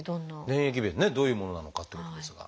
粘液便ってねどういうものなのかってことですが。